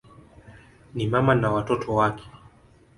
Ni mama na watoto wake.